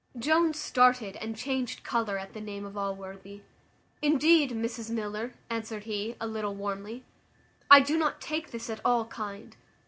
Jones started and changed colour at the name of Allworthy. "Indeed, Mrs Miller," answered he, a little warmly, "I do not take this at all kind.